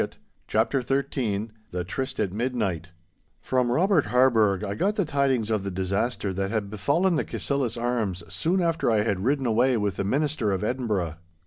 *CHAPTER XIII* *THE TRYST AT MIDNIGHT* From Robert Harburgh I got the tidings of the disaster that had befallen the Cassillis' arms soon after I had ridden away with the Minister of Edinburgh.